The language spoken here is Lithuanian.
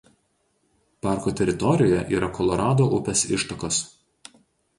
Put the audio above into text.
Parko teritorijoje yra Kolorado upės ištakos.